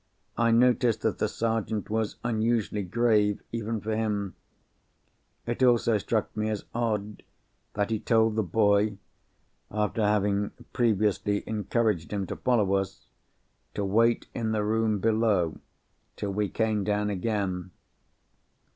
I noticed that the Sergeant was unusually grave, even for him. It also struck me as odd that he told the boy (after having previously encouraged him to follow us), to wait in the room below till we came down again.